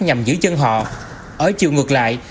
nhân họ ở chiều ngược lại